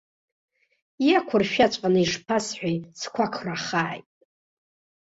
Иақәыршәаҵәҟьаны ишԥасҳәеи сқәақәрахааит!